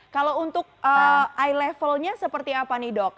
kalau untuk eye levelnya seperti apa nih dok